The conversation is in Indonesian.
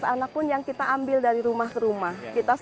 empat belas anak pun yang kita ambil dari rumah rumah